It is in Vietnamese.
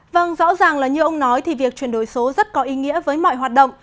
vâng rõ ràng là như ông nói thì việc chuyển đổi số rất có ý nghĩa với mọi hoạt động